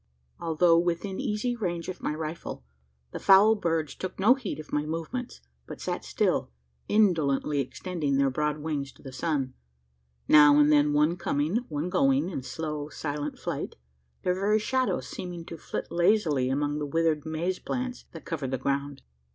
Although within easy range of my rifle, the foul birds took no heed of my movements; but sat still, indolently extending their broad wings to the sun now and then one coming, one going, in slow silent flight their very shadows seeming to flit lazily among the withered maize plants that covered the ground.